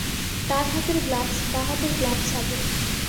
ডান হাতের গ্লাভস বাঁ হাতের গ্লাভস হবে।